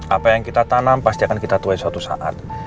apa yang kita tanam pasti akan kita tuai suatu saat